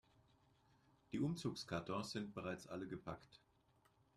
Die Umzugskartons sind bereits alle gepackt.